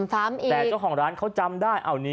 แต่เจ้าของร้านเขาจำได้